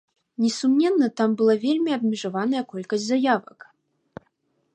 Несумненна, там была вельмі абмежаваная колькасць заявак.